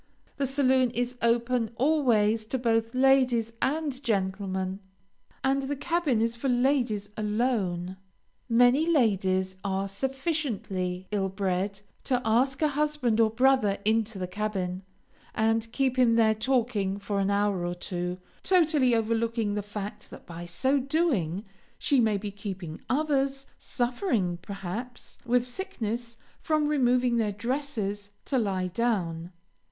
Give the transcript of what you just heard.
The saloon is open always to both ladies and gentlemen, and the cabin is for ladies alone. Many ladies are sufficiently ill bred to ask a husband or brother into the cabin, and keep him there talking for an hour or two, totally overlooking the fact that by so doing she may be keeping others, suffering, perhaps, with sickness, from removing their dresses to lie down.